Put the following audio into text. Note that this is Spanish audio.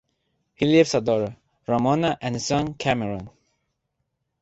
He leaves a daughter, Ramona, and a son, Cameron.